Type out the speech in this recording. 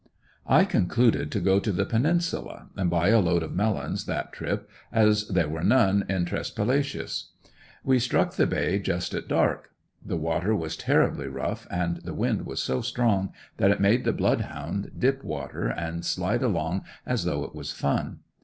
I concluded to go to the Peninsula and buy a load of melons that trip, as there were none on Tresspalacious. We struck the Bay just at dark; the water was terribly rough and the wind was so strong that it made the Blood Hound dip water and slide along as though it was fun.